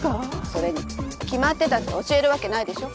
それに決まってたって教えるわけないでしょ。